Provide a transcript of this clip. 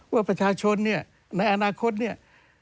ว่าประชาชนเนี่ยในอนาคตเนี่ย